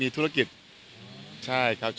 ของขวัญรับปริญญา